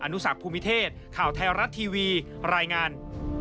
นุสักภูมิเทศข่าวไทยรัฐทีวีรายงาน